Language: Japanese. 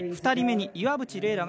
２人目に岩渕麗